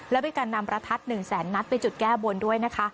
และมีการนำประทัด๑แสนนัดไปจุดแก้บนด้วยนะคะ